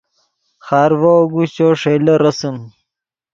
خارڤو اگوشچو ݰئیلے رسم